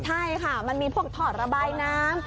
ใช่ค่ะมันมีพวกถอดระบายน้ำ